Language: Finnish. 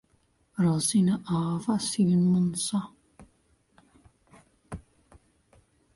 Rosina avaa silmänsä.